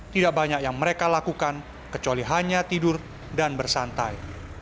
tidak banyak yang mereka lakukan kecuali hanya tidur dan bersantai